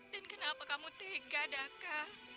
dan kenapa kamu tega ndaka